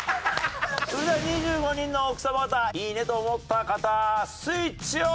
それでは２５人の奥さま方いいねと思った方スイッチオン！